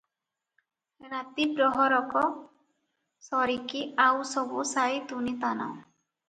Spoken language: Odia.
ରାତି ପ୍ରହରକ ସରିକି ଆଉ ସବୁ ସାଇ ତୁନିତାନ ।